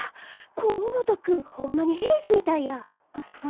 光本君ホンマに平次みたいや。